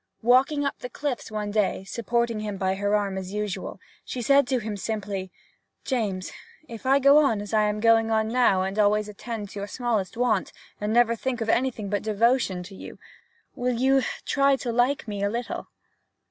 Walking up the cliffs one day, supporting him by her arm as usual, she said to him, simply, 'James, if I go on as I am going now, and always attend to your smallest want, and never think of anything but devotion to you, will you try to like me a little?'